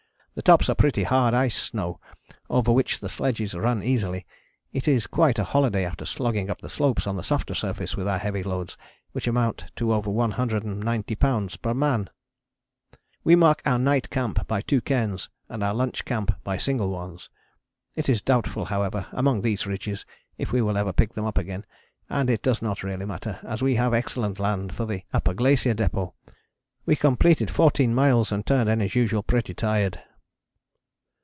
The tops are pretty hard ice snow, over which the sledges run easily; it is quite a holiday after slogging up the slopes on the softer surface with our heavy loads, which amount to over 190 lbs. per man. We mark our night camp by two cairns and our lunch camp by single ones. It is doubtful, however, among these ridges, if we will ever pick them up again, and it does not really matter, as we have excellent land for the Upper Glacier Depôt. We completed fourteen miles and turned in as usual pretty tired.